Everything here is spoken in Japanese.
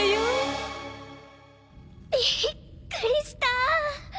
びっくりした。